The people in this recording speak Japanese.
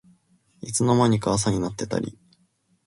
いつの間にか朝になってたり